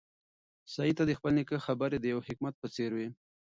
سعید ته د خپل نیکه خبرې د یو حکمت په څېر وې.